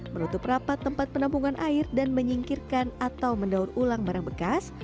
menutup rapat tempat penampungan air dan menyingkirkan atau mendaur ulang barang bekas